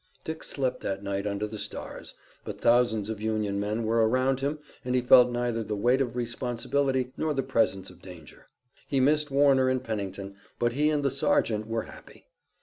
Dick slept that night under the stars, but thousands of Union men were around him and he felt neither the weight of responsibility, nor the presence of danger. He missed Warner and Pennington, but he and the sergeant were happy.